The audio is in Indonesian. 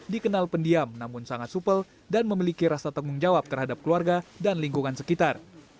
dikenal pendiam namun sangat supel dan memiliki rasa tanggung jawab terhadap keluarga dan lingkungan sekitar